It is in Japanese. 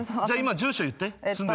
じゃあ今住所言って。